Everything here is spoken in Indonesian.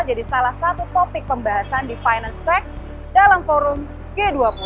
jadi salah satu topik pembahasan di finanstech dalam forum g dua puluh